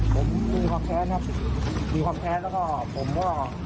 ผมมีความแท้นะครับมีความแท้แล้วก็ผมว่าถึงมาเป็นผู้ป่วยอยากจะตกขึ้นไหม